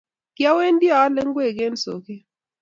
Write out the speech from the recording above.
kiawendi aale ngwek eng' soket